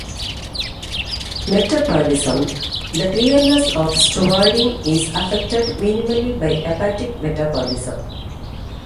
Metabolism: The clearance of stavudine is affected minimally by hepatic metabolism.